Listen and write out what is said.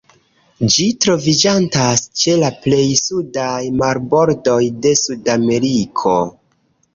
Ĝi troviĝantas ĉe la plej sudaj marbordoj de Sudameriko.